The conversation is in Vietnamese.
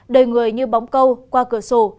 đời người như bóng câu qua cửa sổ